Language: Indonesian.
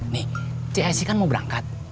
nih csi kan mau berangkat